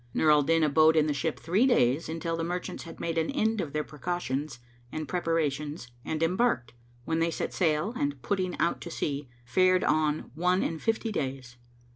Nur al Din abode in the ship three days until the merchants had made an end of their precautions and preparations and embarked, when they set sail and putting out to sea, fared on one and fifty days.